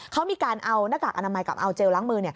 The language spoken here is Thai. เขามีการเอาหน้ากากอนามัยกับเอาเจลล้างมือ